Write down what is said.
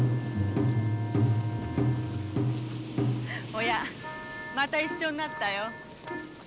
おやまた一緒になったよ。